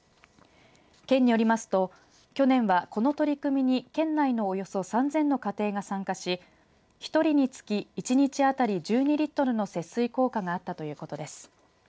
県によりますと去年は、この取り組みに県内のおよそ３０００の家庭が参加し１人につき一日当たり１２リットルの節水効果があったということです。